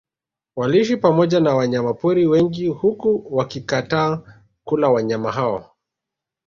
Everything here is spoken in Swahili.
Waliishi pamoja na wanyama pori wengi huku wakikataa kula wanyama hao